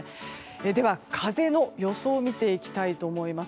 では、風の予想を見ていきたいと思います。